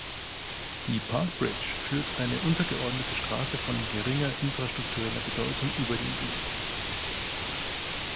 Die Park Bridge führt eine untergeordnete Straße von geringer infrastruktureller Bedeutung über den Dee.